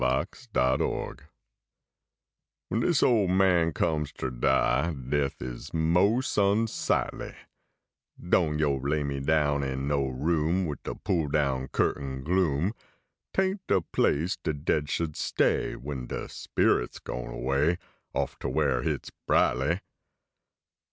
GRAVE MATTERS Wen dis ole man comes ter die, Death is mos unsightly ; Doan yo lay me in no room Wid de pull down curtain gloom ; Tain t de place de dead should stay Wen de spirit s gone away, Off ter where hit s brightly.